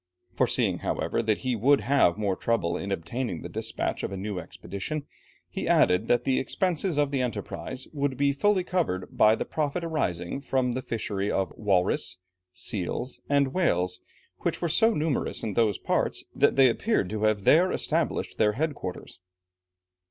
Foreseeing, however, that he would have more trouble in obtaining the despatch of a new expedition, he added that the expenses of the enterprise would be fully covered by the profit arising from the fishery of walrus, seals, and whales, which were so numerous in those parts, that they appeared to have there established their head quarters.